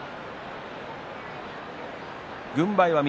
軍配は翠